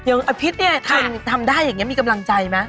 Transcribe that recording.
แต่ยังอภิกษ์นี่ถ้าทำได้เหมียมีกำลังใจไหม